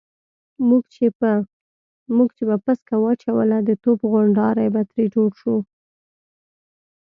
موږ چې به پسکه واچوله د توپ غونډاری به ترې جوړ شو.